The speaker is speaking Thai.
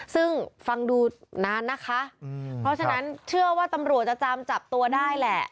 ซึ่งฟังดูนานนะคะเพราะฉะนั้นเชื่อว่าตำรวจจะจำจับตัวได้แหละ